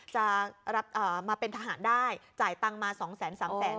จะรับอ่ามาเป็นทหารได้จ่ายตังมาสองแสนสามแสน